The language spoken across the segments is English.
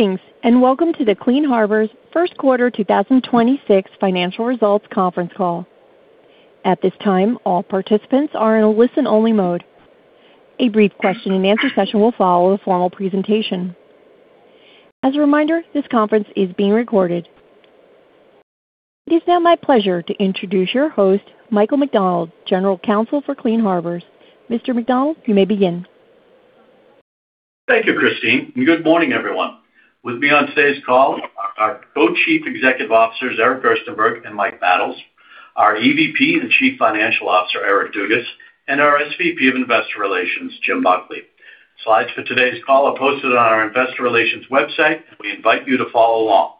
Greetings, and welcome to the Clean Harbors first quarter 2026 financial results conference call. At this time all participants are on a listen only mode. Every question and answer session will follow following our presentation. As a reminder, this conference is being recorded. It is now my pleasure to introduce your host, Michael McDonald, General Counsel for Clean Harbors. Mr. McDonald, you may begin. Thank you, Christine, and good morning, everyone. With me on today's call are our Co-Chief Executive Officers, Eric Gerstenberg and Michael Battles, our EVP and Chief Financial Officer, Eric Dugas, and our SVP of Investor Relations, Jim Buckley. Slides for today's call are posted on our investor relations website. We invite you to follow along.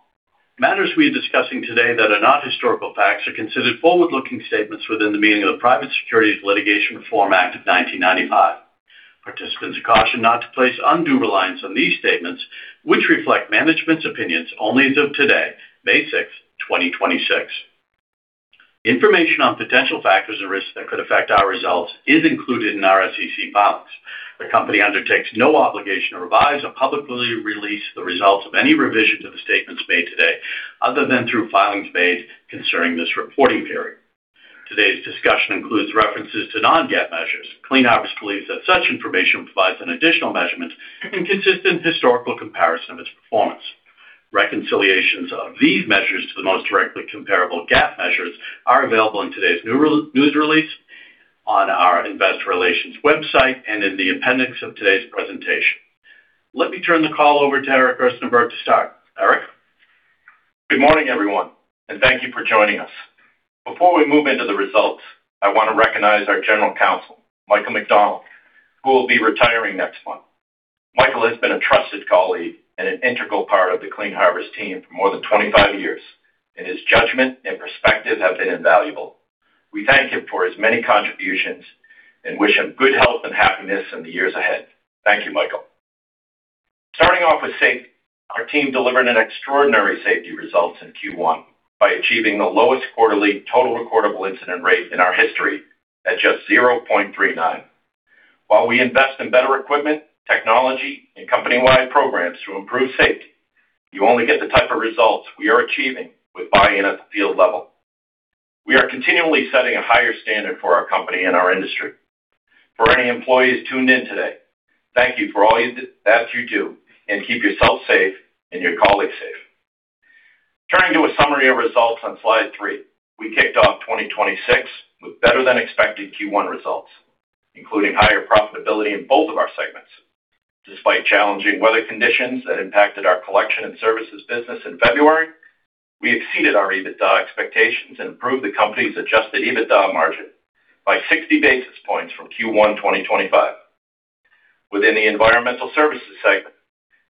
Matters we are discussing today that are not historical facts are considered forward-looking statements within the meaning of the Private Securities Litigation Reform Act of 1995. Participants are cautioned not to place undue reliance on these statements, which reflect management's opinions only as of today, May 6, 2026. Information on potential factors or risks that could affect our results is included in our SEC filings. The company undertakes no obligation to revise or publicly release the results of any revision to the statements made today other than through filings made concerning this reporting period. Today's discussion includes references to non-GAAP measures. Clean Harbors believes that such information provides an additional measurement and consistent historical comparison of its performance. Reconciliations of these measures to the most directly comparable GAAP measures are available in today's news release, on our investor relations website, and in the appendix of today's presentation. Let me turn the call over to Eric Gerstenberg to start. Eric? Good morning, everyone, and thank you for joining us. Before we move into the results, I want to recognize our General Counsel, Michael McDonald, who will be retiring next month. Michael has been a trusted colleague and an integral part of the Clean Harbors team for more than 25 years, and his judgment and perspective have been invaluable. We thank him for his many contributions and wish him good health and happiness in the years ahead. Thank you, Michael. Starting off with safety, our team delivered an extraordinary safety results in Q1 by achieving the lowest quarterly total recordable incident rate in our history at just 0.39. While we invest in better equipment, technology, and company-wide programs to improve safety, you only get the type of results we are achieving with buy-in at the field level. We are continually setting a higher standard for our company and our industry. For any employees tuned in today, thank you for all that you do, and keep yourself safe and your colleagues safe. Turning to a summary of results on slide three. We kicked off 2026 with better-than-expected Q1 results, including higher profitability in both of our segments. Despite challenging weather conditions that impacted our collection and services business in February, we exceeded our EBITDA expectations and improved the company's adjusted EBITDA margin by 60 basis points from Q1 2025. Within the Environmental Services segment,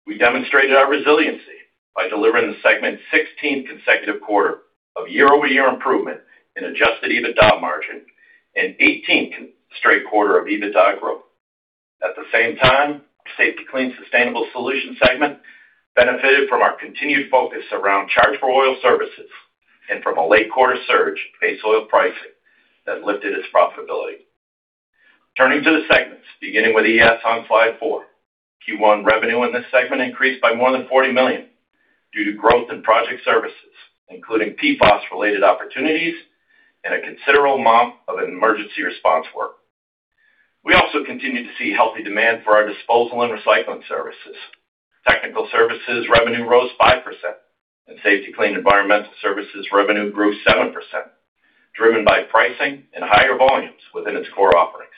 we demonstrated our resiliency by delivering the segment 16th consecutive quarter of year-over-year improvement in adjusted EBITDA margin and 18th straight quarter of EBITDA growth. At the same time, our Safety-Kleen Sustainable Solutions segment benefited from our continued focus around charge-for-oil services and from a late-quarter surge in base oil pricing that lifted its profitability. Turning to the segments, beginning with ES on slide four. Q1 revenue in this segment increased by more than $40 million due to growth in project services, including PFAS-related opportunities and a considerable amount of emergency response work. We also continued to see healthy demand for our disposal and recycling services. Technical services revenue rose 5%, and Safety-Kleen Environmental Services revenue grew 7%, driven by pricing and higher volumes within its core offerings.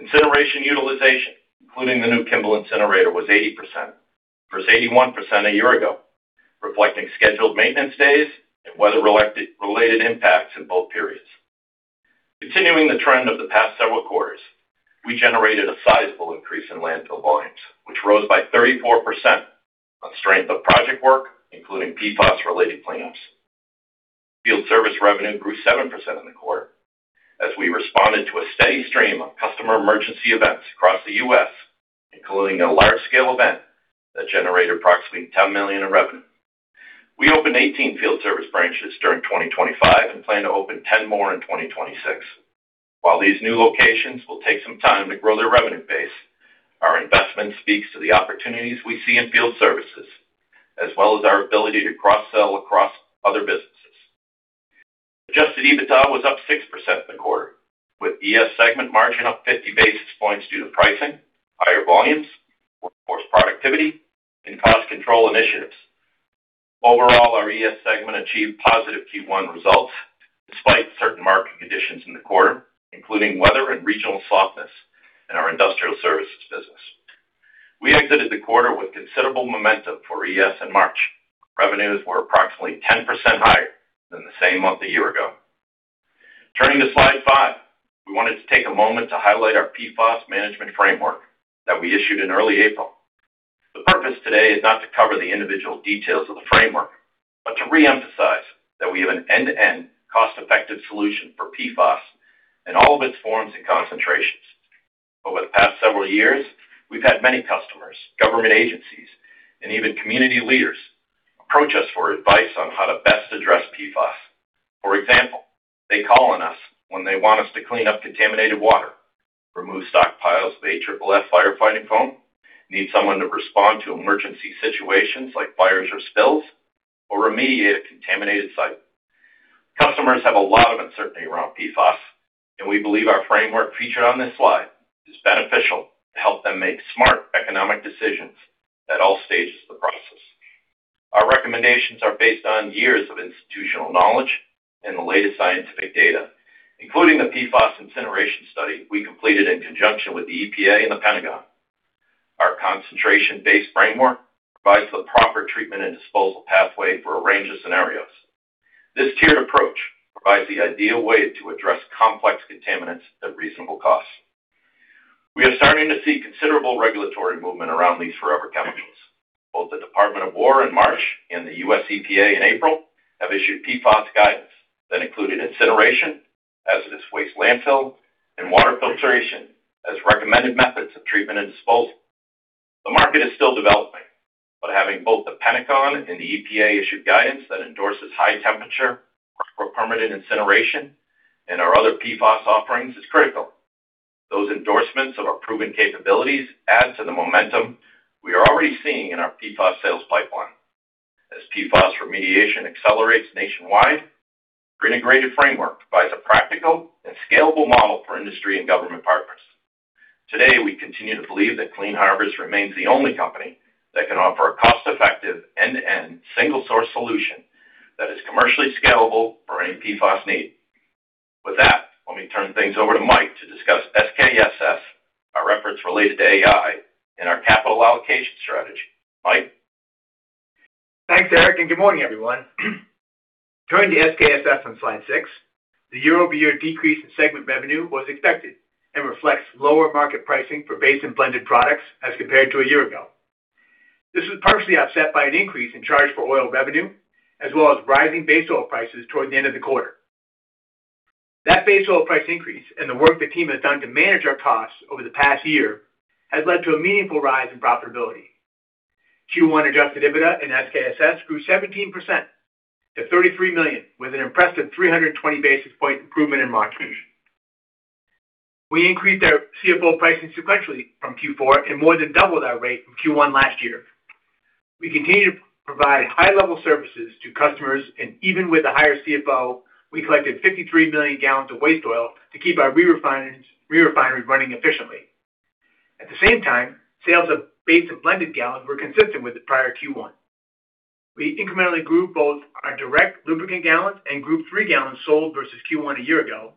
Incineration utilization, including the new Kimball incinerator, was 80% versus 81% a year ago, reflecting scheduled maintenance days and weather-related impacts in both periods. Continuing the trend of the past several quarters, we generated a sizable increase in landfill volumes, which rose by 34% on strength of project work, including PFAS-related cleanups. Field service revenue grew 7% in the quarter as we responded to a steady stream of customer emergency events across the U.S., including a large-scale event that generated approximately $10 million in revenue. We opened 18 field service branches during 2025 and plan to open 10 more in 2026. While these new locations will take some time to grow their revenue base, our investment speaks to the opportunities we see in field services as well as our ability to cross-sell across other businesses. Adjusted EBITDA was up 6% in the quarter, with ES segment margin up 50 basis points due to pricing, higher volumes, workforce productivity, and cost control initiatives. Overall, our ES segment achieved positive Q1 results despite certain market conditions in the quarter, including weather and regional softness in our industrial services business. We exited the quarter with considerable momentum for ES in March. Revenues were approximately 10% higher than the same month a year ago. Turning to slide five. We wanted to take a moment to highlight our PFAS management framework that we issued in early April. The purpose today is not to cover the individual details of the framework, but to reemphasize that we have an end-to-end cost-effective solution for PFAS in all of its forms and concentrations. Over the past several years, we've had many customers, government agencies, and even community leaders approach us for advice on how to best address PFAS. For example, they call on us when they want us to clean up contaminated water, remove stockpiles of AFFF firefighting foam, need someone to respond to emergency situations like fires or spills, or remediate a contaminated site. Customers have a lot of uncertainty around PFAS, and we believe our framework featured on this slide is beneficial to help them make smart economic decisions at all stages of the process. Our recommendations are based on years of institutional knowledge and the latest scientific data, including the PFAS incineration study we completed in conjunction with the EPA and the Pentagon. Our concentration-based framework provides for the proper treatment and disposal pathway for a range of scenarios. This tiered approach provides the ideal way to address complex contaminants at reasonable costs. We are starting to see considerable regulatory movement around these forever chemicals. Both the Department of Defense in March and the U.S. EPA in April have issued PFAS guidance that included incineration as it is waste landfill and water filtration as recommended methods of treatment and disposal. The market is still developing, but having both the Pentagon and the EPA issue guidance that endorses high temperature for permitted incineration and our other PFAS offerings is critical. Those endorsements of our proven capabilities add to the momentum we are already seeing in our PFAS sales pipeline. As PFAS remediation accelerates nationwide, our integrated framework provides a practical and scalable model for industry and government partners. Today, we continue to believe that Clean Harbors remains the only company that can offer a cost-effective end-to-end single source solution that is commercially scalable for any PFAS need. With that, let me turn things over to Mike to discuss SKSS, our efforts related to AI, and our capital allocation strategy. Mike? Thanks, Eric, good morning, everyone. Turning to SKSS on slide six, the year-over-year decrease in segment revenue was expected and reflects lower market pricing for base oil and blended products as compared to a year ago. This was partially offset by an increase in charge-for-oil revenue as well as rising base oil prices toward the end of the quarter. That base oil price increase and the work the team has done to manage our costs over the past year has led to a meaningful rise in profitability. Q1 adjusted EBITDA and SKSS grew 17% to $33 million, with an impressive 320 basis point improvement in margin. We increased our CFO pricing sequentially from Q4 and more than doubled our rate from Q1 last year. We continue to provide high-level services to customers, even with a higher pay-for-oil, we collected 53 million gallons of waste oil to keep our re-refineries running efficiently. At the same time, sales of base oil and blended gallons were consistent with the prior Q1. We incrementally grew both our direct lubricant gallons and Group III gallons sold versus Q1 a year ago.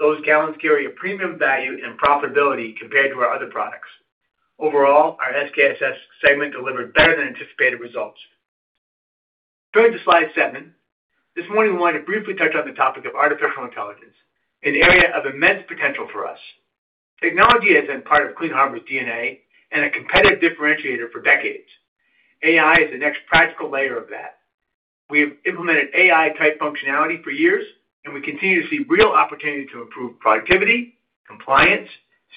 Those gallons carry a premium value and profitability compared to our other products. Overall, our SKSS segment delivered better than anticipated results. Turning to slide seven. This morning, we want to briefly touch on the topic of artificial intelligence, an area of immense potential for us. Technology has been part of Clean Harbors' DNA and a competitive differentiator for decades. AI is the next practical layer of that. We have implemented AI-type functionality for years. We continue to see real opportunity to improve productivity, compliance,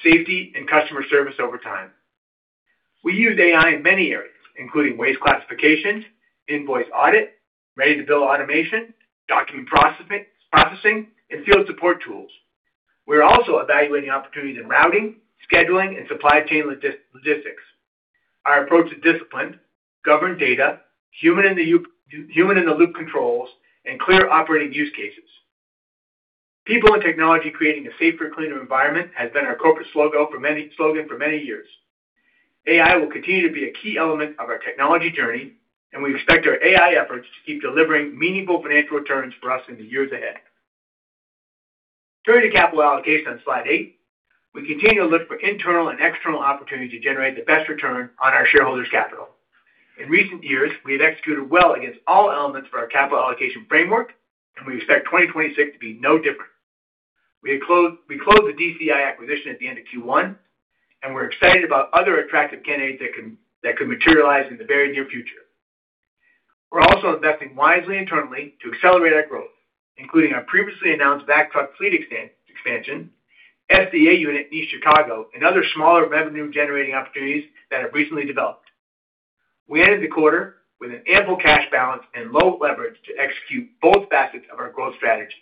safety, and customer service over time. We use AI in many areas, including waste classifications, invoice audit, ready to bill automation, document processing, and field support tools. We are also evaluating opportunities in routing, scheduling, and supply chain logistics. Our approach is disciplined, governed data, human in the loop controls, and clear operating use cases. People and technology creating a safer, cleaner environment has been our corporate slogan for many years. AI will continue to be a key element of our technology journey. We expect our AI efforts to keep delivering meaningful financial returns for us in the years ahead. Turning to capital allocation on slide eight. We continue to look for internal and external opportunities to generate the best return on our shareholders' capital. In recent years, we have executed well against all elements of our capital allocation framework, and we expect 2026 to be no different. We closed the DCI acquisition at the end of Q1, and we're excited about other attractive candidates that could materialize in the very near future. We're also investing wisely internally to accelerate our growth, including our previously announced vac truck fleet expansion, SDA unit in East Chicago, and other smaller revenue-generating opportunities that have recently developed. We ended the quarter with an ample cash balance and low leverage to execute both facets of our growth strategy.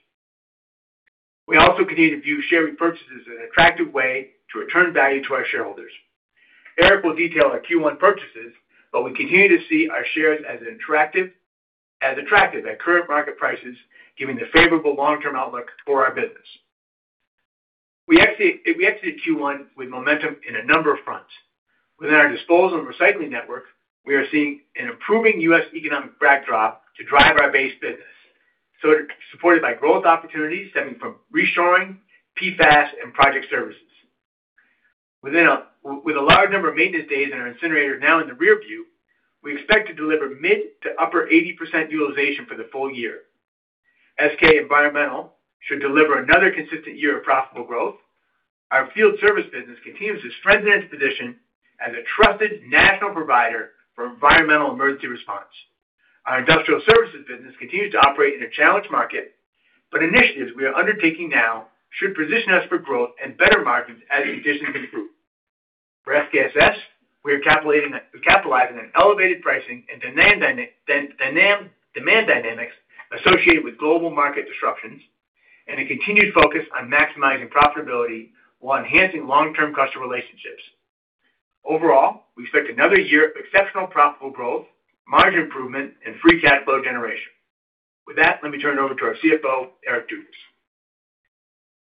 We also continue to view share repurchases as an attractive way to return value to our shareholders. Eric will detail our Q1 purchases. We continue to see our shares as attractive at current market prices, given the favorable long-term outlook for our business. We exited Q1 with momentum in a number of fronts. Within our disposal and recycling network, we are seeing an improving U.S. economic backdrop to drive our base business, sort of supported by growth opportunities stemming from reshoring, PFAS, and project services. With a large number of maintenance days in our incinerator now in the rearview, we expect to deliver mid to upper 80% utilization for the full year. SK Environmental should deliver another consistent year of profitable growth. Our field service business continues to strengthen its position as a trusted national provider for environmental emergency response. Our industrial services business continues to operate in a challenged market, but initiatives we are undertaking now should position us for growth and better margins as conditions improve. For SKSS, we are capitalizing on elevated pricing and demand dynamics associated with global market disruptions and a continued focus on maximizing profitability while enhancing long-term customer relationships. Overall, we expect another year of exceptional profitable growth, margin improvement, and free cash flow generation. With that, let me turn it over to our CFO, Eric Dugas.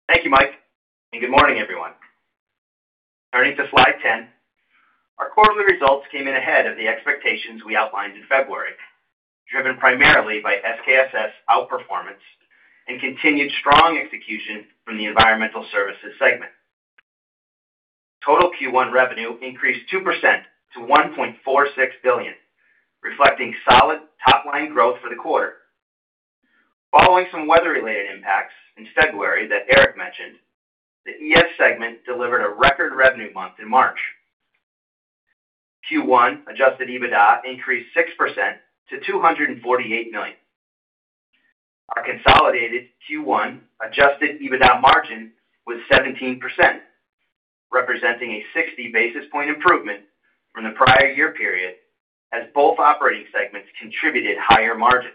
Thank you, Mike. Good morning, everyone. Turning to slide 10, our quarterly results came in ahead of the expectations we outlined in February, driven primarily by SKSS outperformance and continued strong execution from the Environmental Services segment. Total Q1 revenue increased 2% to $1.46 billion, reflecting solid top-line growth for the quarter. Following some weather-related impacts in February that Eric mentioned, the ES segment delivered a record revenue month in March. Q1 adjusted EBITDA increased 6% to $248 million. Our consolidated Q1 adjusted EBITDA margin was 17%, representing a 60 basis point improvement from the prior year period as both operating segments contributed higher margins.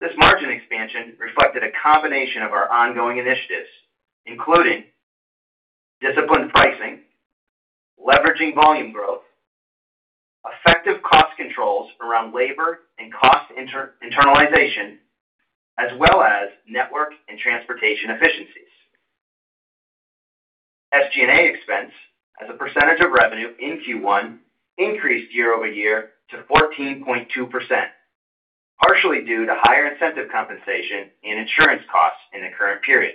This margin expansion reflected a combination of our ongoing initiatives, including disciplined pricing, leveraging volume growth, effective cost controls around labor and cost internalization, as well as network and transportation efficiencies. SG&A expense as a percentage of revenue in Q1 increased year-over-year to 14.2%, partially due to higher incentive compensation and insurance costs in the current period.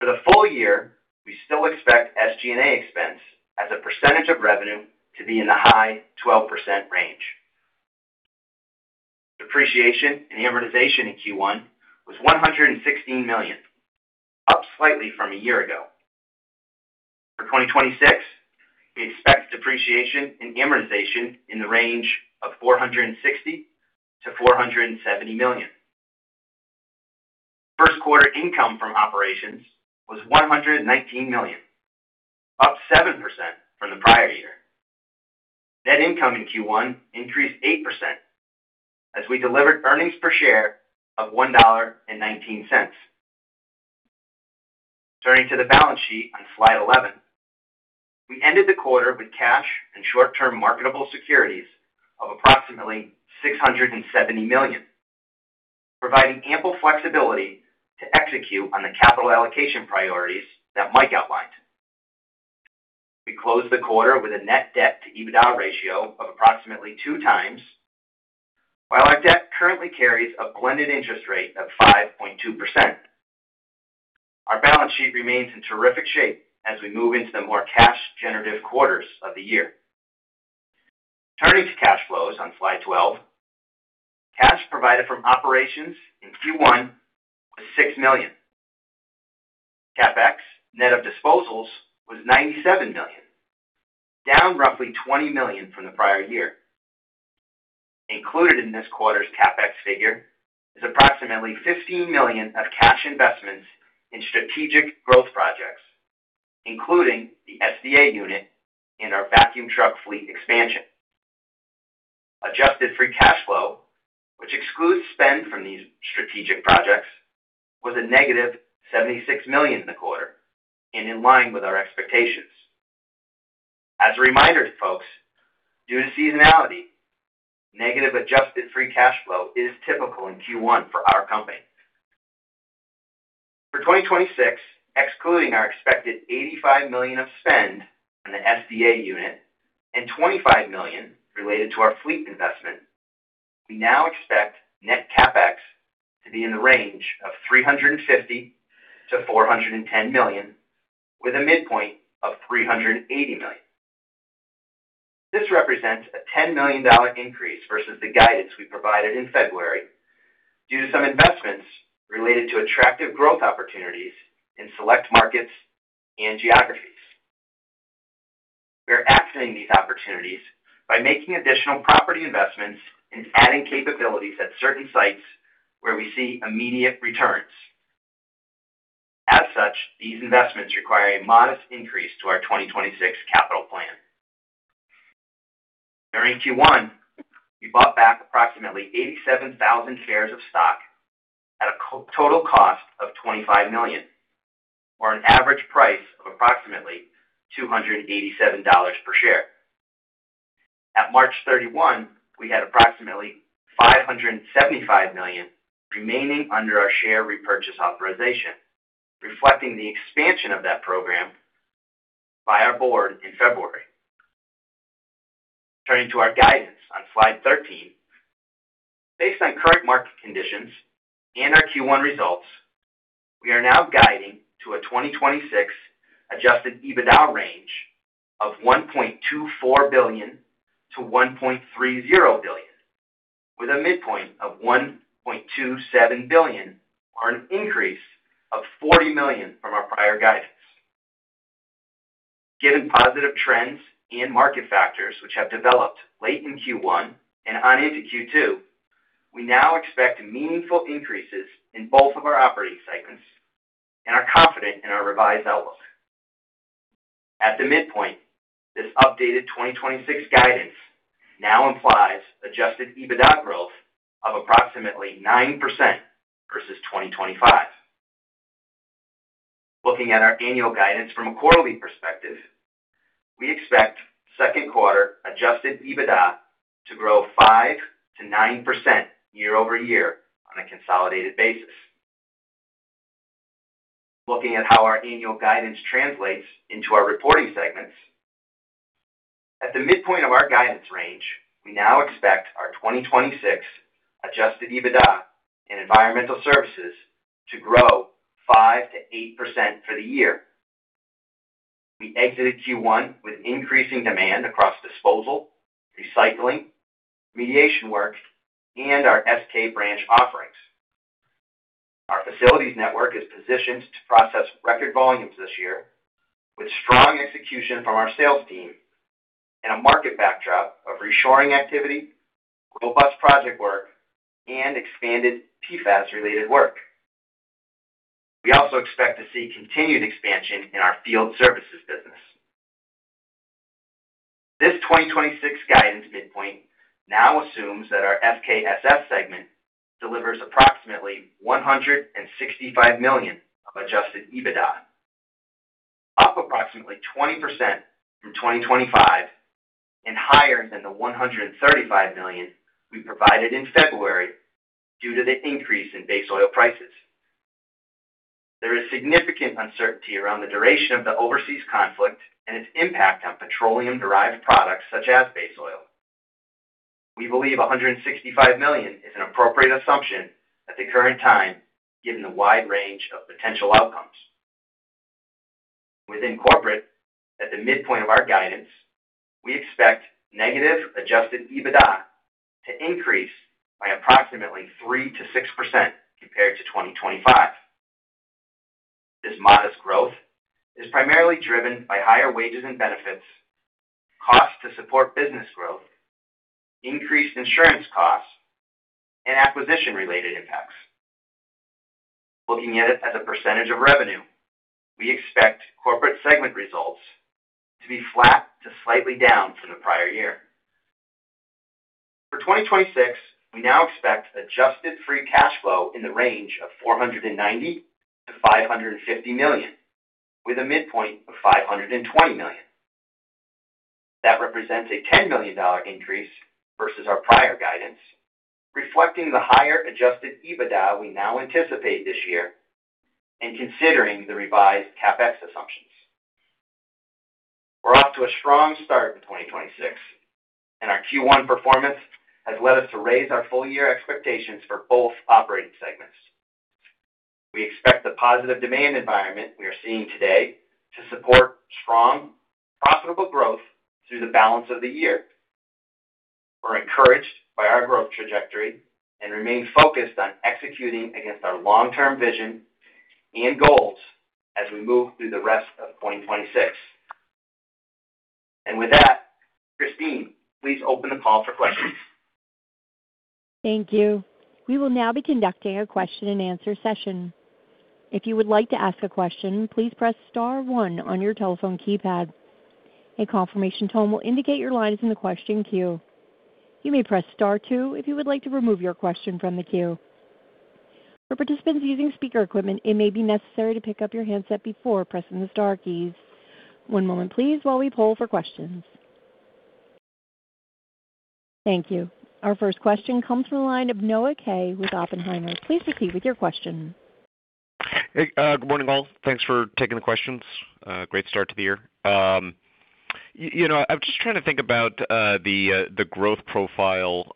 For the full year, we still expect SG&A expense as a percentage of revenue to be in the high 12% range. Depreciation and amortization in Q1 was $116 million, up slightly from a year ago. For 2026, we expect depreciation and amortization in the range of $460 million-$470 million. First quarter income from operations was $119 million, up 7% from the prior year. Net income in Q1 increased 8% as we delivered earnings per share of $1.19. Turning to the balance sheet on slide 11, we ended the quarter with cash and short-term marketable securities of approximately $670 million, providing ample flexibility to execute on the capital allocation priorities that Mike outlined. We closed the quarter with a net debt to EBITDA ratio of approximately 2x. While our debt currently carries a blended interest rate of 5.2%, our balance sheet remains in terrific shape as we move into the more cash generative quarters of the year. Turning to cash flows on slide 12, cash provided from operations in Q1 was $6 million. CapEx, net of disposals, was $97 million, down roughly $20 million from the prior year. Included in this quarter's CapEx figure is approximately $15 million of cash investments in strategic growth projects, including the SDA unit and our vacuum truck fleet expansion. Adjusted free cash flow, which excludes spend from these strategic projects, was a negative $76 million in the quarter and in line with our expectations. As a reminder to folks, due to seasonality, negative adjusted free cash flow is typical in Q1 for our company. For 2026, excluding our expected $85 million of spend on the SDA unit and $25 million related to our fleet investment, we now expect net CapEx to be in the range of $350 million-$410 million, with a midpoint of $380 million. This represents a $10 million increase versus the guidance we provided in February due to some investments related to attractive growth opportunities in select markets and geographies. We are accessing these opportunities by making additional property investments and adding capabilities at certain sites where we see immediate returns. As such, these investments require a modest increase to our 2026 capital plan. During Q1, we bought back approximately 87,000 shares of stock at a total cost of $25 million, or an average price of approximately $287 per share. At March 31, we had approximately $575 million remaining under our share repurchase authorization, reflecting the expansion of that program by our board in February. Turning to our guidance on slide 13. Based on current market conditions and our Q1 results, we are now guiding to a 2026 adjusted EBITDA range of $1.24 billion-$1.30 billion, with a midpoint of $1.27 billion, or an increase of $40 million from our prior guidance. Given positive trends and market factors which have developed late in Q1 and on into Q2. We now expect meaningful increases in both of our operating segments and are confident in our revised outlook. At the midpoint, this updated 2026 guidance now implies adjusted EBITDA growth of approximately 9% versus 2025. Looking at our annual guidance from a quarterly perspective, we expect second quarter adjusted EBITDA to grow 5%-9% year-over-year on a consolidated basis. Looking at how our annual guidance translates into our reporting segments. At the midpoint of our guidance range, we now expect our 2026 adjusted EBITDA in Environmental Services to grow 5%-8% for the year. We exited Q1 with increasing demand across disposal, recycling, mediation work, and our SK branch offerings. Our facilities network is positioned to process record volumes this year with strong execution from our sales team and a market backdrop of reshoring activity, robust project work, and expanded PFAS-related work. We also expect to see continued expansion in our field services business. This 2026 guidance midpoint now assumes that our SKSS segment delivers approximately $165 million of adjusted EBITDA, up approximately 20% from 2025 and higher than the $135 million we provided in February due to the increase in base oil prices. There is significant uncertainty around the duration of the overseas conflict and its impact on petroleum-derived products such as base oil. We believe $165 million is an appropriate assumption at the current time, given the wide range of potential outcomes. Within Corporate, at the midpoint of our guidance, we expect negative adjusted EBITDA to increase by approximately 3%-6% compared to 2025. This modest growth is primarily driven by higher wages and benefits, costs to support business growth, increased insurance costs, and acquisition-related impacts. Looking at it as a percentage of revenue, we expect Corporate segment results to be flat to slightly down from the prior year. For 2026, we now expect adjusted free cash flow in the range of $490 million-$550 million, with a midpoint of $520 million. That represents a $10 million increase versus our prior guidance, reflecting the higher adjusted EBITDA we now anticipate this year and considering the revised CapEx assumptions. We're off to a strong start in 2026, and our Q1 performance has led us to raise our full year expectations for both operating segments. We expect the positive demand environment we are seeing today to support strong, profitable growth through the balance of the year. We're encouraged by our growth trajectory and remain focused on executing against our long-term vision and goals as we move through the rest of 2026. With that, Christine, please open the call for questions. Thank you. Our first question comes from the line of Noah Kaye with Oppenheimer. Please proceed with your question. Hey, good morning, all. Thanks for taking the questions. Great start to the year. You know, I'm just trying to think about the growth profile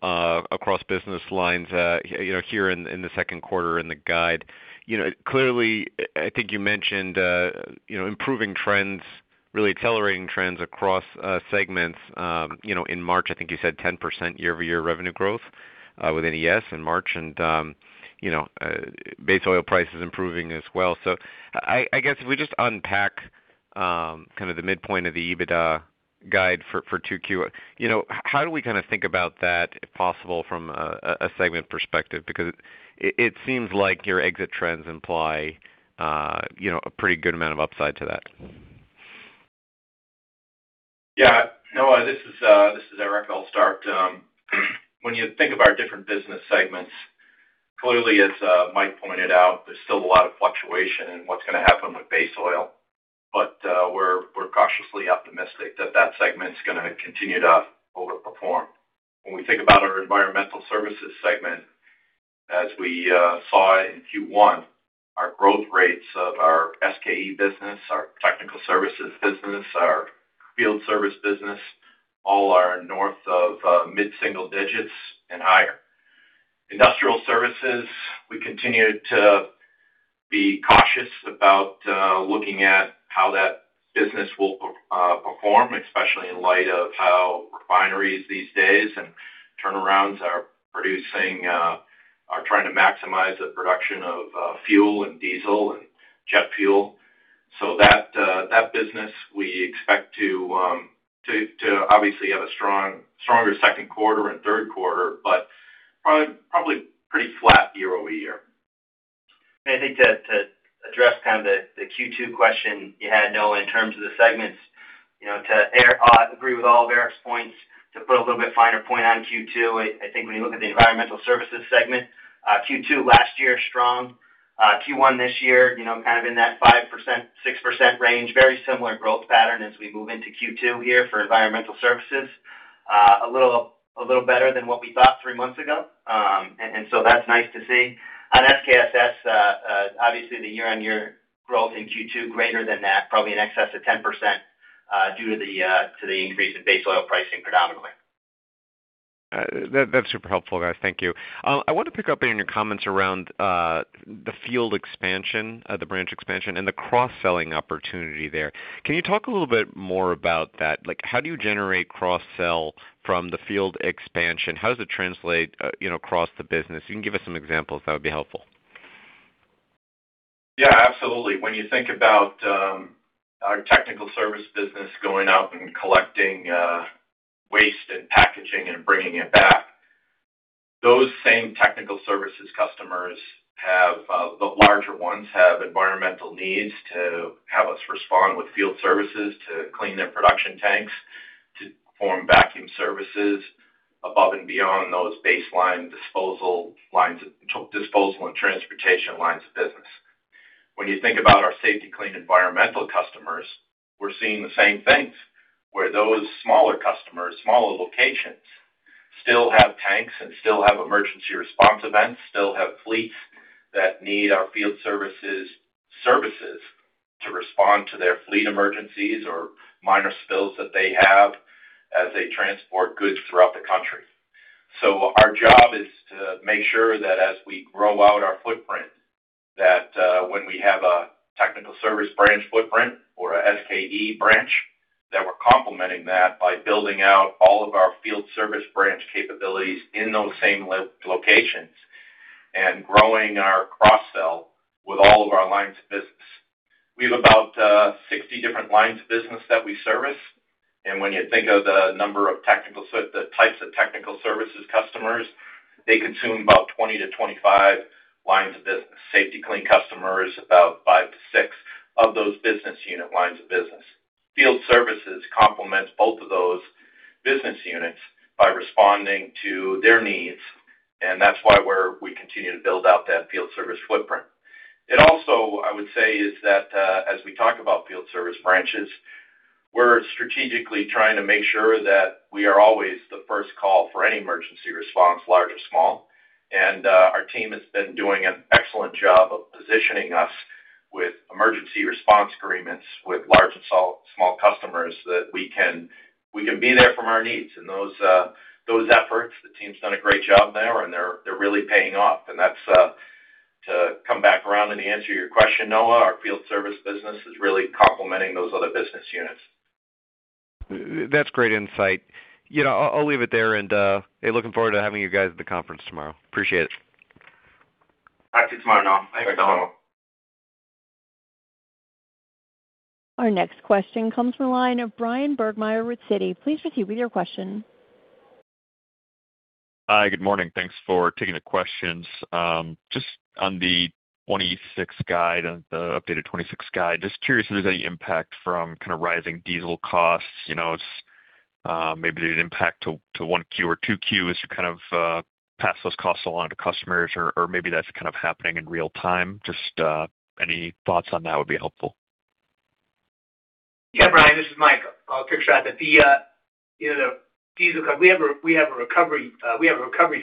across business lines, you know, here in the second quarter in the guide. You know, clearly, I think you mentioned, you know, improving trends, really accelerating trends across segments, you know, in March. I think you said 10% year-over-year revenue growth within ES in March. You know, base oil prices improving as well. I guess if we just unpack kind of the midpoint of the EBITDA guide for 2Q. You know, how do we kind of think about that, if possible, from a segment perspective? Because it seems like your exit trends imply, you know, a pretty good amount of upside to that. Yeah. Noah, this is Eric. I'll start. When you think of our different business segments, clearly, as Mike pointed out, there's still a lot of fluctuation in what's gonna happen with base oil. We're cautiously optimistic that that segment's gonna continue to overperform. When we think about our Environmental Services segment, as we saw in Q1, our growth rates of our Safety-Kleen business, our technical services business, our field service business, all are north of mid-single digits and higher. Industrial Services, we continue to be cautious about looking at how that business will perform, especially in light of how refineries these days and turnarounds are producing. Are trying to maximize the production of fuel and diesel and jet fuel. That business we expect to obviously have a stronger second quarter and third quarter, but probably pretty flat year-over-year. I think to address kind of the Q2 question you had, Noah, in terms of the segments, you know, to agree with all of Eric's points. To put a little bit finer point on Q2, I think when you look at the Environmental Services segment, Q2 last year, strong. Q1 this year, you know, kind of in that 5%, 6% range. Very similar growth pattern as we move into Q2 here for Environmental Services. A little better than what we thought three months ago. That's nice to see. On SKSS, obviously the year-on-year growth in Q2 greater than that, probably in excess of 10%, due to the increase in base oil pricing predominantly. That's super helpful, guys. Thank you. I want to pick up on your comments around the field expansion, the branch expansion and the cross-selling opportunity there. Can you talk a little bit more about that? Like, how do you generate cross-sell from the field expansion? How does it translate, you know, across the business? You can give us some examples. That would be helpful. Yeah, absolutely. When you think about our technical service business going out and collecting waste and packaging and bringing it back, those same technical services customers have the larger ones have environmental needs to have us respond with field services to clean their production tanks, to perform vacuum services above and beyond those baseline disposal and transportation lines of business. You think about our Safety-Kleen Environmental customers, we're seeing the same things, where those smaller customers, smaller locations still have tanks and still have emergency response events, still have fleets that need our field services to respond to their fleet emergencies or minor spills that they have as they transport goods throughout the country. Our job is to make sure that as we grow out our footprint, that when we have a technical service branch footprint or a SKE branch, that we're complementing that by building out all of our field service branch capabilities in those same locations and growing our cross-sell with all of our lines of business. We have about 60 different lines of business that we service. When you think of the types of technical services customers, they consume about 20-25 lines of business. Safety-Kleen customer is about five to six of those business unit lines of business. Field services complements both of those business units by responding to their needs, and that's why we continue to build out that field service footprint. It also, I would say, is that, as we talk about field service branches, we're strategically trying to make sure that we are always the first call for any emergency response, large or small. Our team has been doing an excellent job of positioning us with emergency response agreements with large and small customers that we can be there from our needs. Those, those efforts, the team's done a great job there and they're really paying off. That's to come back around and answer your question, Noah, our field service business is really complementing those other business units. That's great insight. You know, I'll leave it there and looking forward to having you guys at the conference tomorrow. Appreciate it. Talk to you tomorrow, Noah. Thanks. Thanks, Noah. Our next question comes from the line of Bryan Burgmeier with Citi. Please proceed with your question. Hi, good morning. Thanks for taking the questions. Just on the 2026 guide, the updated 2026 guide. Just curious if there's any impact from kind of rising diesel costs. You know, it's maybe an impact to 1Q or 2Q as you kind of pass those costs along to customers or maybe that's kind of happening in real time. Just any thoughts on that would be helpful. Yeah, Bryan, this is Mike. I'll kick it off with the, you know, the diesel cost. We have a recovery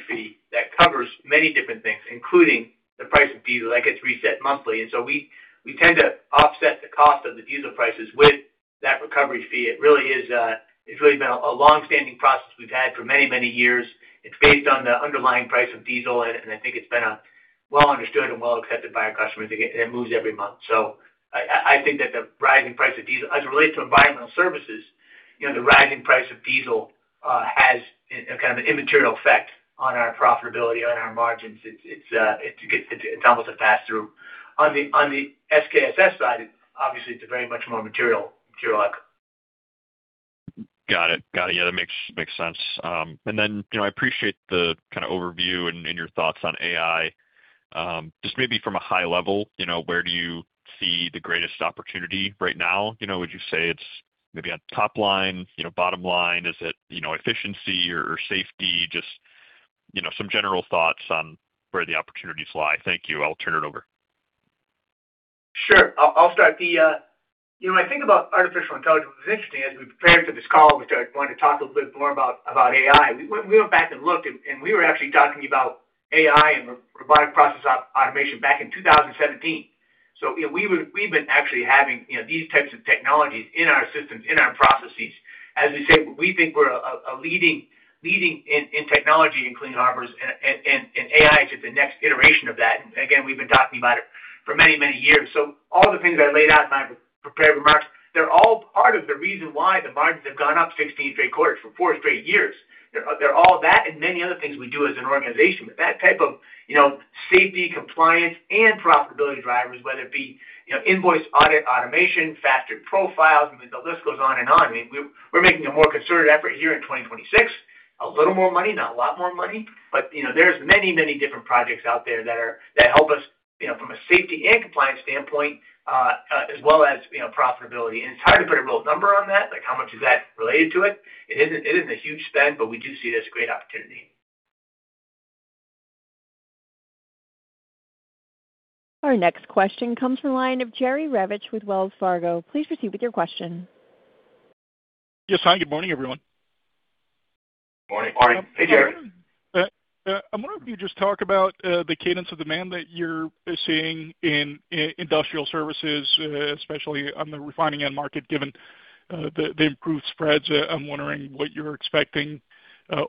fee that covers many different things, including the price of diesel. That gets reset monthly. We tend to offset the cost of the diesel prices with that recovery fee. It really is, it's really been a long-standing process we've had for many, many years. It's based on the underlying price of diesel and I think it's been a well understood and well accepted by our customers. Again, it moves every month. I think that the rising price of diesel as it relates to Environmental Services, you know, the rising price of diesel has a kind of an immaterial effect on our profitability, on our margins. It's almost a pass-through. On the SKSS side, obviously, it's a very much more material. Got it. Yeah, that makes sense. you know, I appreciate the kind of overview and your thoughts on AI. just maybe from a high level, you know, where do you see the greatest opportunity right now? You know, would you say it's maybe on top line, you know, bottom line? Is it, you know, efficiency or safety? Just, you know, some general thoughts on where the opportunities lie. Thank you. I'll turn it over. Sure. I'll start. The, you know, when I think about artificial intelligence, what's interesting as we prepared for this call, we started wanting to talk a little bit more about AI. We went back and looked, and we were actually talking about AI and robotic process automation back in 2017. You know, we've been actually having, you know, these types of technologies in our systems, in our processes. As we said, we think we're a leading in technology in Clean Harbors and AI is just the next iteration of that. Again, we've been talking about it for many, many years. All the things I laid out in my prepared remarks. They're all part of the reason why the margins have gone up 16 straight quarters for four straight years. They're all that and many other things we do as an organization. That type of, you know, safety, compliance, and profitability drivers, whether it be, you know, invoice audit, automation, factored profiles, I mean, the list goes on and on. I mean, we're making a more concerted effort here in 2026, a little more money, not a lot more money. You know, there's many different projects out there that help us, you know, from a safety and compliance standpoint, as well as, you know, profitability. And it's hard to put a real number on that, like how much is that related to it? It isn't a huge spend, but we do see it as a great opportunity. Our next question comes from the line of Jerry Revich with Wells Fargo. Please proceed with your question. Yes. Hi, good morning, everyone. Morning. Morning. Hey, Jerry. I wonder if you just talk about the cadence of demand that you're seeing in industrial services, especially on the refining end market, given the improved spreads. I'm wondering what you're expecting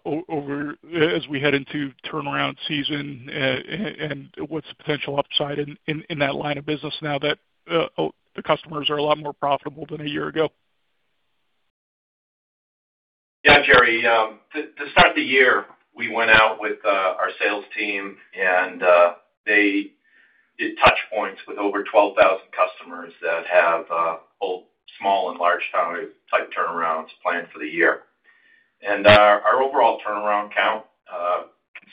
over as we head into turnaround season, and what's the potential upside in that line of business now that the customers are a lot more profitable than a year ago. Yeah, Jerry. To start the year, we went out with our sales team. They did touch points with over 12,000 customers that have both small and large foundry type turnarounds planned for the year. Our overall turnaround count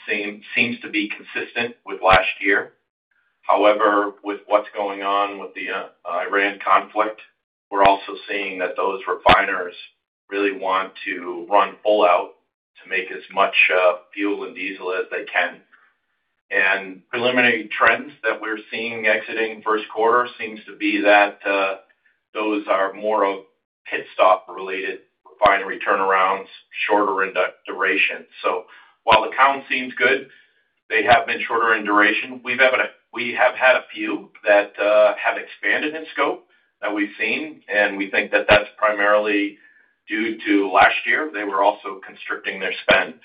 seems to be consistent with last year. However, with what's going on with the Iran conflict, we're also seeing that those refiners really want to run full out to make as much fuel and diesel as they can. Preliminary trends that we're seeing exiting first quarter seems to be that those are more of pit stop related refinery turnarounds, shorter in duration. While the count seems good, they have been shorter in duration. We have had a few that have expanded in scope that we've seen, and we think that that's primarily due to last year, they were also constricting their spend.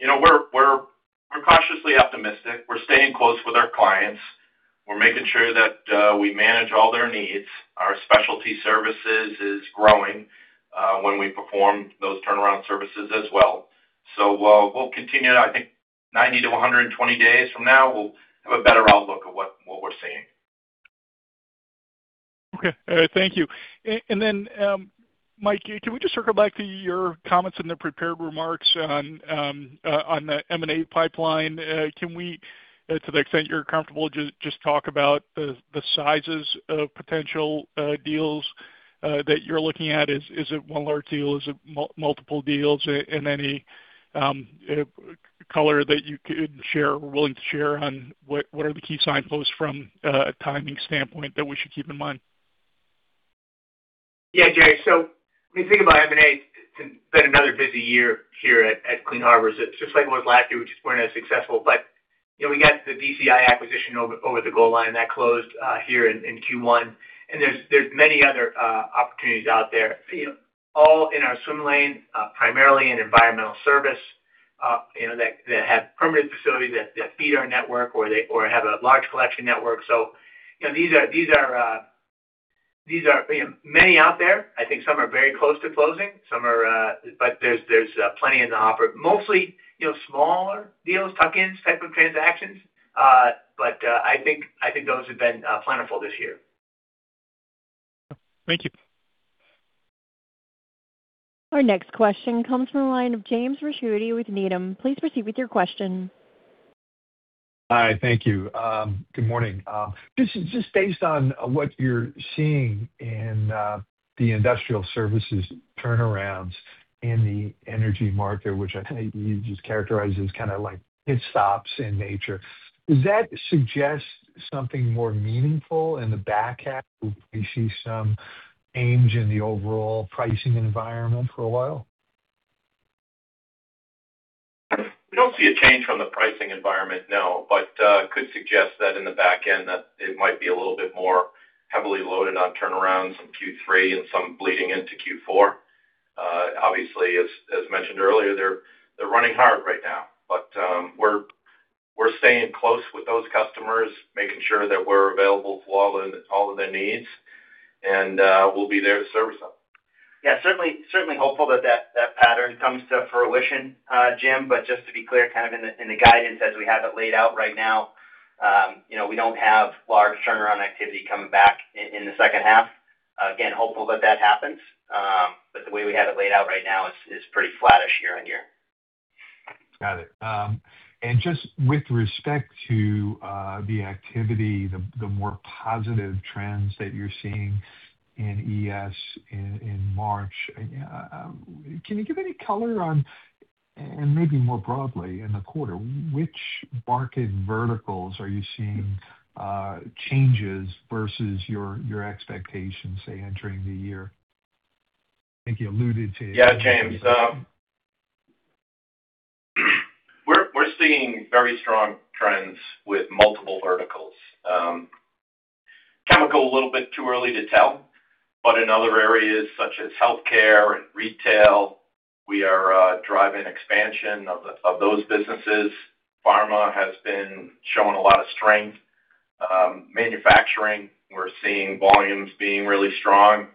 You know, we're cautiously optimistic. We're staying close with our clients. We're making sure that we manage all their needs. Our specialty services is growing when we perform those turnaround services as well. We'll continue to, I think 90 to 120 days from now, we'll have a better outlook of what we're seeing. Okay. Thank you. Mike, can we just circle back to your comments in the prepared remarks on the M&A pipeline? Can we, to the extent you're comfortable, just talk about the sizes of potential deals that you're looking at. Is it one large deal? Is it multiple deals? Any color that you could share or willing to share on what are the key signposts from a timing standpoint that we should keep in mind? Yeah, Jerry. When you think about M&A, it's been another busy year here at Clean Harbors. It's just like it was last year, we just weren't as successful. You know, we got the DCI acquisition over the goal line. That closed here in Q1. There's many other opportunities out there, you know, all in our swim lane, primarily in Environmental Services, you know, that have permitted facilities that feed our network or have a large collection network. You know, these are, you know, many out there. I think some are very close to closing. There's plenty in the offer. Mostly, you know, smaller deals, tuck-ins type of transactions. I think those have been plentiful this year. Thank you. Our next question comes from the line of James Ricchiuti with Needham. Please proceed with your question. Hi. Thank you. Good morning. Just based on what you're seeing in the industrial services turnarounds in the energy market, which I think you just characterized as kinda like pit stops in nature, does that suggest something more meaningful in the back half? Will we see some change in the overall pricing environment for a while? We don't see a change from the pricing environment, no. Could suggest that in the back end that it might be a little bit more heavily loaded on turnarounds in Q3 and some bleeding into Q4. Obviously, as mentioned earlier, they're running hard right now. We're staying close with those customers, making sure that we're available for all of their needs, and we'll be there to service them. Certainly, certainly hopeful that that pattern comes to fruition, Jim. Just to be clear, kind of in the, in the guidance as we have it laid out right now, you know, we don't have large turnaround activity coming back in the second half. Again, hopeful that that happens. The way we have it laid out right now is pretty flattish year-on-year. Got it. Just with respect to the activity, the more positive trends that you're seeing in ES in March, can you give any color on, and maybe more broadly in the quarter, which market verticals are you seeing changes versus your expectations, say, entering the year? Yeah, James. We're seeing very strong trends with multiple verticals. Chemical, a little bit too early to tell. In other areas such as healthcare and retail, we are driving expansion of those businesses. Pharma has been showing a lot of strength. Manufacturing, we're seeing volumes being really strong.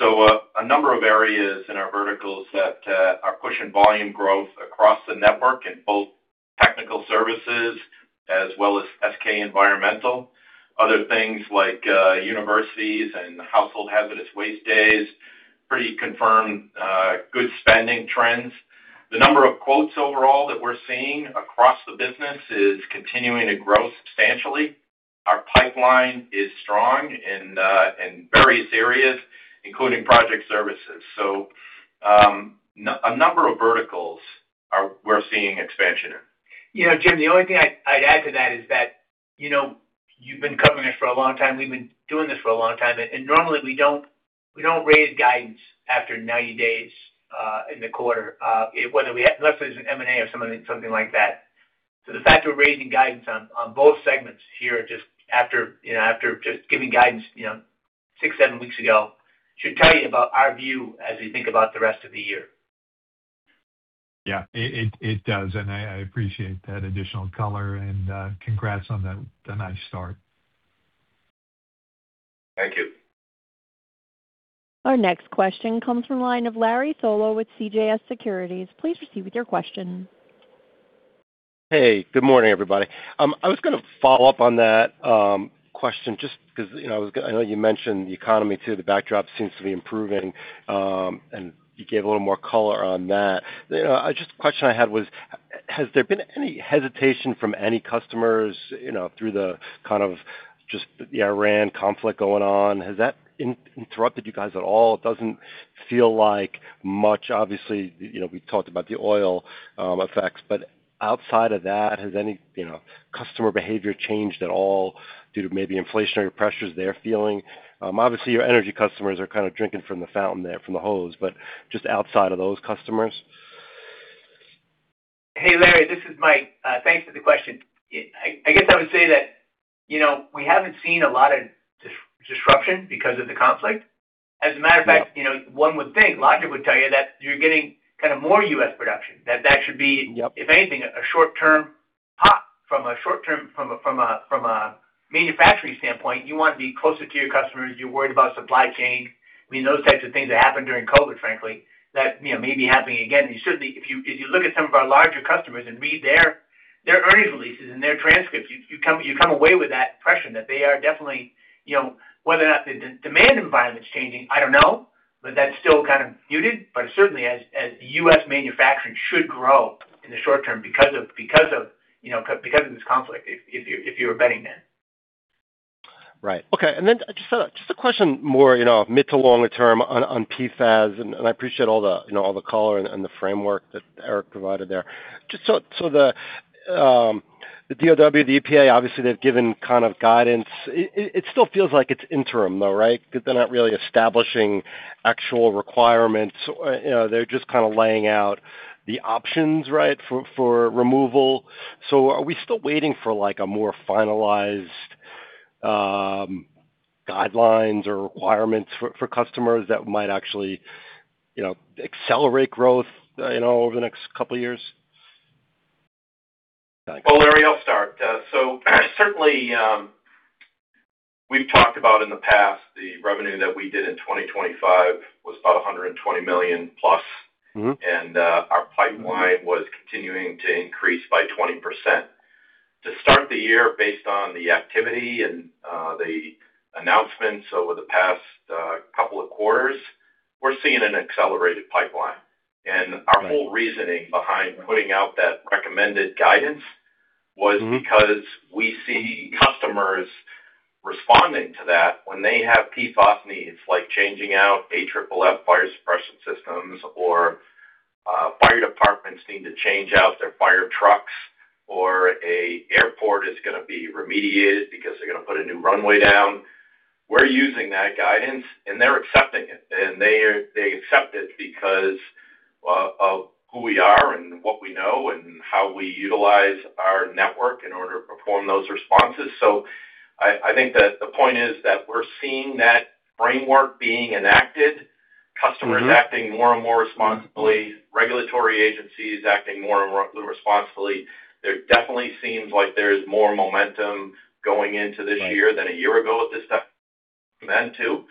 A number of areas in our verticals that are pushing volume growth across the network in both technical services as well as SK Environmental. Other things like universities and household hazardous waste days pretty confirm good spending trends. The number of quotes overall that we're seeing across the business is continuing to grow substantially. Our pipeline is strong in various areas, including project services. A number of verticals we're seeing expansion in. You know, Jim, the only thing I'd add to that is that, you know, you've been covering us for a long time, we've been doing this for a long time, and normally we don't raise guidance after 90 days in the quarter, unless there's an M&A or something like that. The fact we're raising guidance on both segments here just after, you know, after just giving guidance, you know, six, seven weeks ago should tell you about our view as we think about the rest of the year. Yeah. It does, and I appreciate that additional color and, congrats on the nice start. Thank you. Our next question comes from line of Larry Solow with CJS Securities. Please proceed with your question. Good morning, everybody. I was gonna follow up on that question just 'cause, you know, I know you mentioned the economy too, the backdrop seems to be improving, and you gave a little more color on that. You know, I just question I had was, has there been any hesitation from any customers, you know, through the kind of just the Iran conflict going on? Has that interrupted you guys at all? It doesn't feel like much. Obviously, you know, we talked about the oil effects, but outside of that, has any, you know, customer behavior changed at all due to maybe inflationary pressures they're feeling? Obviously, your energy customers are kind of drinking from the fountain there, from the hose, but just outside of those customers. Hey, Larry, this is Mike. Thanks for the question. I guess I would say that, you know, we haven't seen a lot of disruption because of the conflict. As a matter of fact. Yep you know, one would think, logic would tell you that you're getting kind of more U.S. production, that that should be. Yep if anything, a short-term pop. From a short-term from a manufacturing standpoint, you want to be closer to your customers. You're worried about supply chain. I mean, those types of things that happened during COVID, frankly, that, you know, may be happening again. You certainly if you look at some of our larger customers and read their earnings releases and their transcripts, you come away with that impression that they are definitely, you know. Whether or not the de-demand environment's changing, I don't know, but that's still kind of muted. Certainly as U.S. manufacturing should grow in the short term because of, you know, because of this conflict if you were betting then. Right. Okay. Just a question more, you know, mid to longer term on PFAS, and I appreciate all the, you know, all the color and the framework that Eric provided there. So the DoD, the EPA, obviously they've given kind of guidance. It still feels like it's interim though, right? 'Cause they're not really establishing actual requirements. You know, they're just kind of laying out the options, right, for removal. Are we still waiting for like a more finalized guidelines or requirements for customers that might actually, you know, accelerate growth, you know, over the next couple years? Well, Larry, I'll start. Certainly, we've talked about in the past the revenue that we did in 2025 was about $120 million plus. Our pipeline was continuing to increase by 20%. To start the year based on the activity and the announcements over the past couple of quarters, we're seeing an accelerated pipeline. Our whole reasoning behind putting out that recommended guidance was because we see customers responding to that when they have PFAS needs, like changing out AFFF fire suppression systems or fire departments need to change out their fire trucks, or an airport is gonna be remediated because they're gonna put a new runway down. We're using that guidance, and they're accepting it. They accept it because of who we are and what we know and how we utilize our network in order to perform those responses. I think that the point is that we're seeing that framework being enacted. Customers acting more and more responsibly, regulatory agencies acting more responsibly. There definitely seems like there is more momentum going into this year than a year ago at this time then too.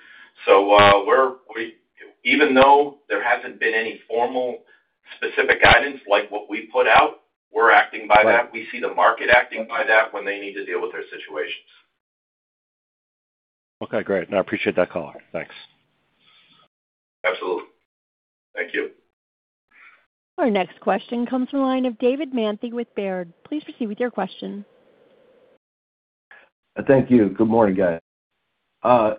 Even though there hasn't been any formal specific guidance like what we put out, we're acting by that. Right. We see the market acting by that when they need to deal with their situations. Okay, great. No, I appreciate that color. Thanks. Absolutely. Thank you. Our next question comes from the line of David Manthey with Baird. Please proceed with your question. Thank you. Good morning, guys. Good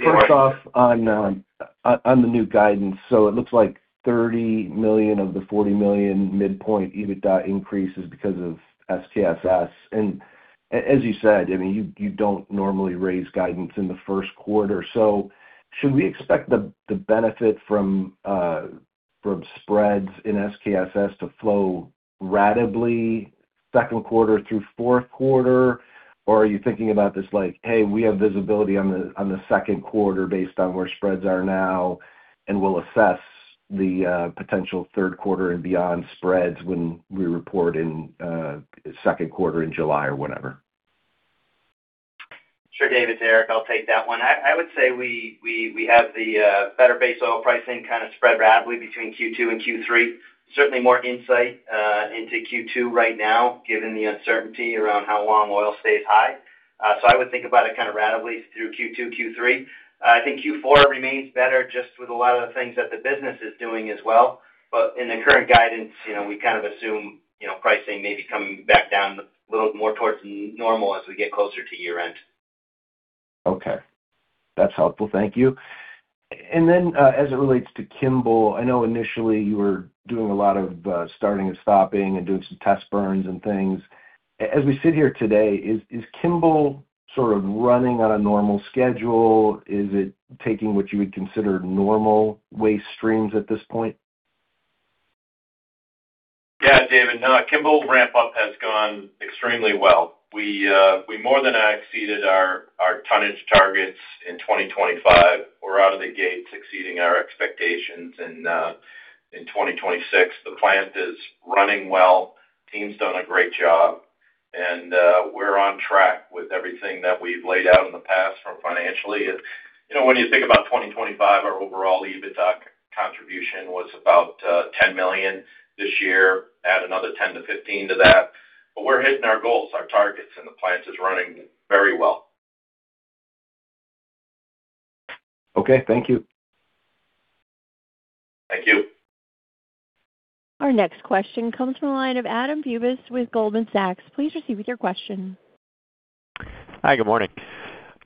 morning. First off, on the new guidance. It looks like $30 million of the $40 million midpoint EBITDA increase is because of SKSS. As you said, I mean, you don't normally raise guidance in the first quarter. Should we expect the benefit from spreads in SKSS to flow ratably second quarter through fourth quarter, or are you thinking about this like, "Hey, we have visibility on the second quarter based on where spreads are now, and we'll assess the potential third quarter and beyond spreads when we report in second quarter in July or whatever? Sure, David. It's Eric. I'll take that one. I would say we have the better base oil pricing kind of spread ratably between Q2 and Q3. Certainly more insight into Q2 right now, given the uncertainty around how long oil stays high. I would think about it kind of ratably through Q2, Q3. I think Q4 remains better just with a lot of the things that the business is doing as well. In the current guidance, you know, we kind of assume, you know, pricing maybe coming back down a little more towards normal as we get closer to year-end. Okay. That's helpful. Thank you. Then, as it relates to Kimball, I know initially you were doing a lot of starting and stopping and doing some test burns and things. As we sit here today, is Kimball sort of running on a normal schedule? Is it taking what you would consider normal waste streams at this point? Yeah, David. No, Kimball ramp up has gone extremely well. We more than exceeded our tonnage targets in 2025. We're out of the gate succeeding our expectations in 2026. The plant is running well. Team's done a great job, and we're on track with everything that we've laid out in the past from financially. You know, when you think about 2025, our overall EBITDA contribution was about $10 million. This year, add another $10 million-$15 million to that. We're hitting our goals, our targets, and the plant is running very well. Okay, thank you. Thank you. Our next question comes from the line of Adam Bubes with Goldman Sachs. Please proceed with your question. Hi, good morning.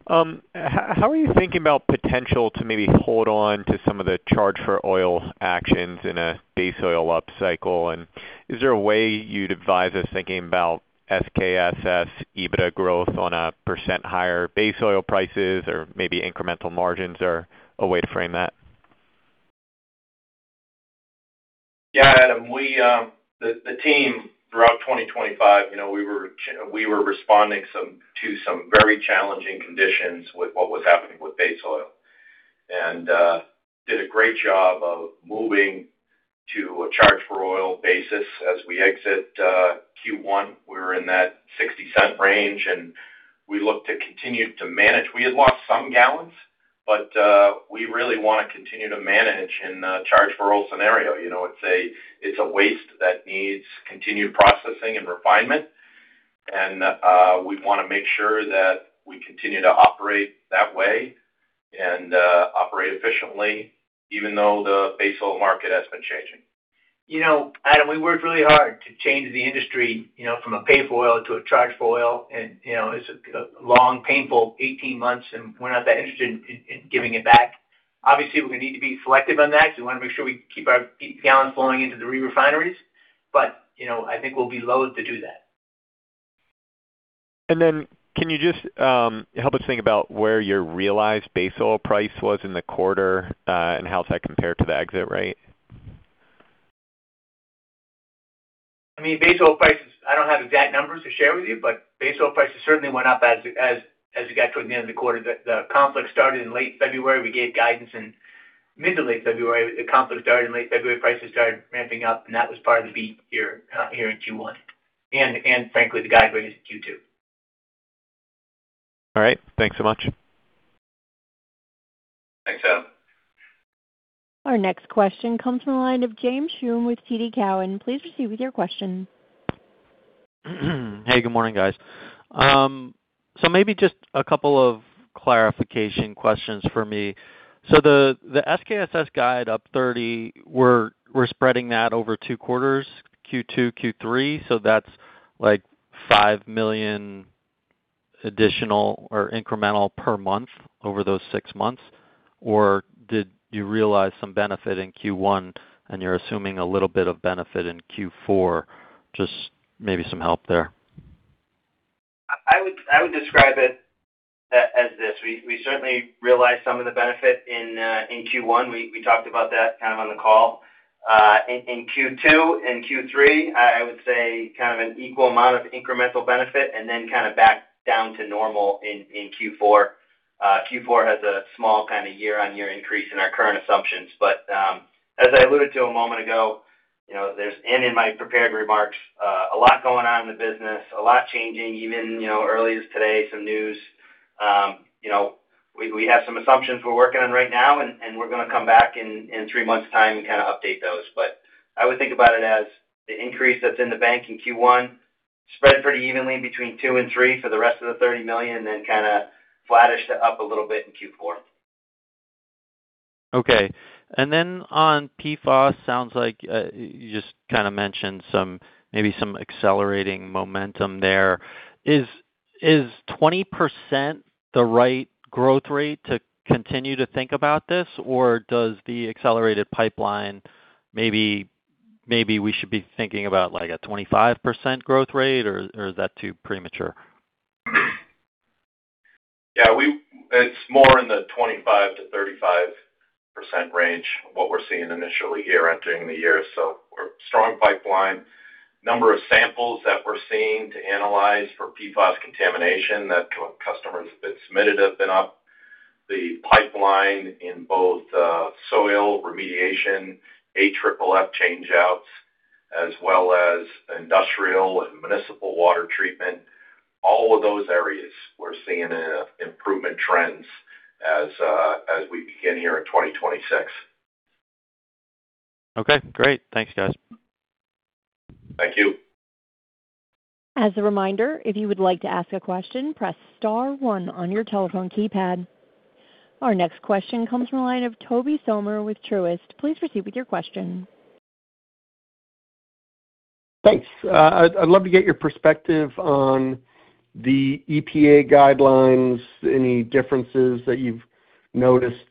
How are you thinking about potential to maybe hold on to some of the charge for oil actions in a base oil upcycle? Is there a way you'd advise us thinking about SKSS EBITDA growth on a % higher base oil prices or maybe incremental margins or a way to frame that? Yeah, Adam. We, the team throughout 2025, you know, we were responding to some very challenging conditions with what was happening with base oil and did a great job of moving to a charge-for-oil basis. As we exit Q1, we were in that $0.60 range, and we look to continue to manage. We had lost some gallons, but we really wanna continue to manage in a charge-for-oil scenario. You know, it's a waste that needs continued processing and refinement. We wanna make sure that we continue to operate that way and operate efficiently, even though the base oil market has been changing. You know, Adam Bubes, we worked really hard to change the industry, you know, from a pay-for-oil to a charge-for-oil. You know, it's a long, painful 18 months, we're not that interested in giving it back. Obviously, we're going to need to be selective on that, because we want to make sure we keep gallons flowing into the re-refineries. You know, I think we'll be loaded to do that. Can you just help us think about where your realized base oil price was in the quarter, and how does that compare to the exit rate? I mean, base oil prices, I don't have exact numbers to share with you, but base oil prices certainly went up as you got toward the end of the quarter. The conflict started in late February. We gave guidance in mid to late February. The conflict started in late February. Prices started ramping up, and that was part of the beat here in Q1 and frankly, the guide raised Q2. All right. Thanks so much. Thanks, Adam. Our next question comes from the line of James Schumm with TD Cowen. Please proceed with your question. Hey, good morning, guys. Maybe just a couple of clarification questions for me. The SKSS guide up $30 million, we're spreading that over two quarters, Q2, Q3. That's like $5 million additional or incremental per month over those six months? Did you realize some benefit in Q1, and you're assuming a little bit of benefit in Q4? Just maybe some help there. I would describe it as this. We certainly realized some of the benefit in Q1. We talked about that kind of on the call. In Q2 and Q3, I would say kind of an equal amount of incremental benefit and then kind of back down to normal in Q4. Q4 has a small kind of year-on-year increase in our current assumptions. As I alluded to a moment ago, you know, and in my prepared remarks, a lot going on in the business, a lot changing even, you know, early as today, some news. You know, we have some assumptions we're working on right now, and we're gonna come back in three months' time and kind of update those. I would think about it as the increase that's in the bank in Q1 spread pretty evenly between Q2 and Q3 for the rest of the $30 million, and then kind of flattish to up a little bit in Q4. Okay. On PFAS, sounds like you just kind of mentioned maybe some accelerating momentum there. Is 20% the right growth rate to continue to think about this? Or does the accelerated pipeline, maybe we should be thinking about like a 25% growth rate or is that too premature? Yeah, it's more in the 25%-35% range, what we're seeing initially here entering the year. We're strong pipeline. Number of samples that we're seeing to analyze for PFAS contamination that customers have submitted have been up. The pipeline in both soil remediation, AFFF changeouts, as well as industrial and municipal water treatment, all of those areas we're seeing improvement trends as we begin here in 2026. Okay, great. Thanks, guys. Thank you. As a reminder, if you would like to ask a question, press star one on your telephone keypad. Our next question comes from the line of Tobey Sommer with Truist. Please proceed with your question. Thanks. I'd love to get your perspective on the EPA guidelines, any differences that you've noticed,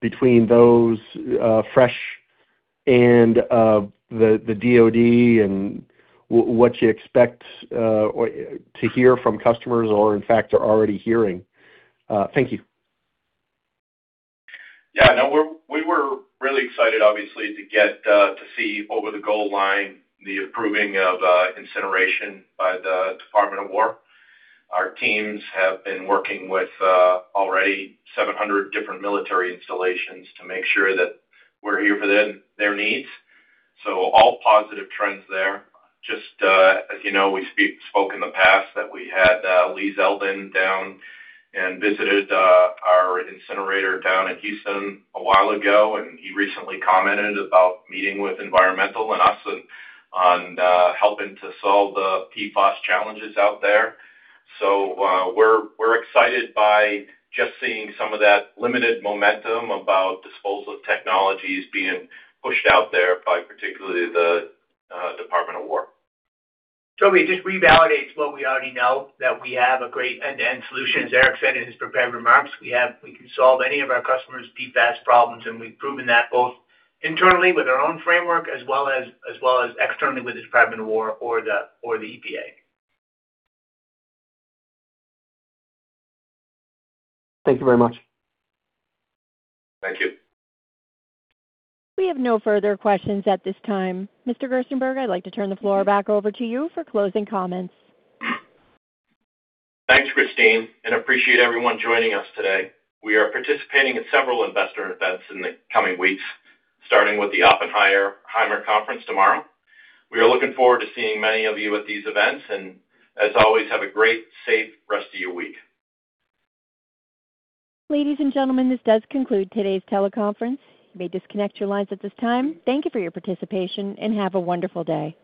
between those, federal and, the DoD and what you expect, or to hear from customers or in fact are already hearing. Thank you. Yeah, no, we were really excited obviously to get to see over the goal line the approving of incineration by the Department of Defense. Our teams have been working with already 700 different military installations to make sure that we're here for them, their needs. All positive trends there. Just, as you know, we spoke in the past that we had Lee Zeldin down and visited our incinerator down in Houston a while ago, and he recently commented about meeting with environmental and us on helping to solve the PFAS challenges out there. We're excited by just seeing some of that limited momentum about disposal technologies being pushed out there by particularly the Department of Defense. Tobey, it just revalidates what we already know, that we have a great end-to-end solution. As Eric said in his prepared remarks, we can solve any of our customers' PFAS problems, and we've proven that both internally with our own framework as well as externally with the Department of Defense or the, or the EPA. Thank you very much. Thank you. We have no further questions at this time. Mr. Gerstenberg, I'd like to turn the floor back over to you for closing comments. Thanks, Christine. Appreciate everyone joining us today. We are participating in several investor events in the coming weeks, starting with the Oppenheimer conference tomorrow. We are looking forward to seeing many of you at these events. As always, have a great, safe rest of your week. Ladies and gentlemen, this does conclude today's teleconference. You may disconnect your lines at this time. Thank you for your participation, and have a wonderful day.